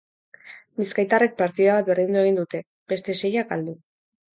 Bizkaitarrek partida bat berdindu egin dute, beste seiak galdu.